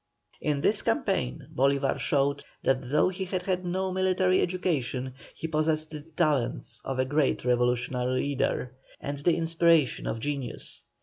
In this campaign, Bolívar showed that though he had had no military education, he possessed the talents of a great revolutionary leader, and the inspiration of genius.